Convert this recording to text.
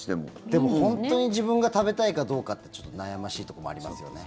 でも本当に自分が食べたいかどうかって悩ましいところもありますよね。